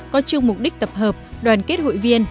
có chung mục đích tập hợp đoàn kết hội viên